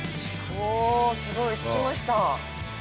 ◆すごい、着きました。